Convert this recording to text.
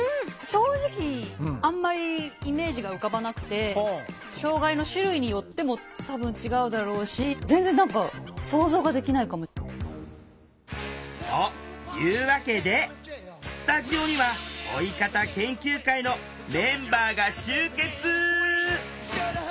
正直あんまりイメージが浮かばなくて障害の種類によっても多分違うだろうし全然何か想像ができないかも。というわけでスタジオには「老い方研究会」のメンバーが集結！